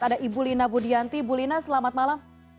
ada ibu lina budianti ibu lina selamat malam